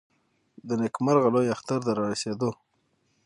د نېکمرغه لوی اختر د رارسېدو .